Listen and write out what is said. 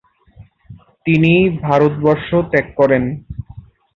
তিনি ভারতবর্ষ ত্যাগ করেন।